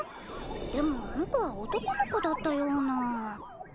でもあの子は男の子だったような。